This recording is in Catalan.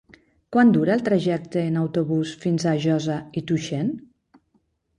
Quant dura el trajecte en autobús fins a Josa i Tuixén?